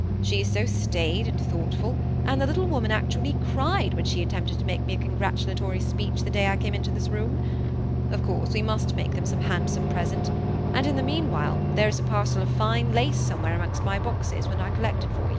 She is so staid and thoughtful, and the little woman actually cried when she attempted to make me a con gratulatory speech the day I came into this room. Of course we must make them some handsome present ; and in the meanwhile, there is a parcel of fine lace somewhere amongst my boxes, which I collected for